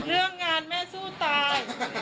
เรื่องงานแม่สู้ตาย